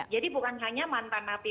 jadi bukan hanya mantan api